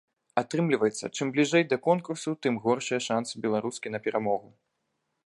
Атрымліваецца, чым бліжэй да конкурсу, тым горшыя шансы беларускі на перамогу.